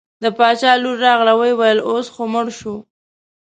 د باچا لور راغله وویل اوس خو مړ شو.